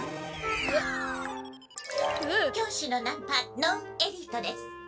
教師のナンパノーエリートです！